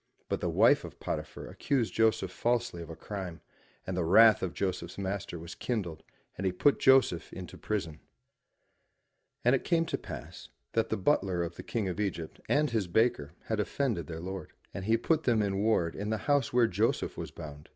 But the wife of Potiphar accused Joseph falsely of a crime, and the wrath of Joseph's master was kindled and he put Joseph into prison. 294 FROM THE TOWER WINDOW And it came to pass that the butler of the King of Egypt and his baker had offended their lord. And he put them in ward in the house where Joseph was bound.